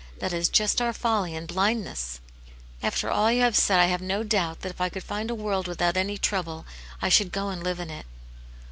That is just our folly and blindness." "After all you have said I have no doubt that if I could find a world without any trouble, I should go and live in it."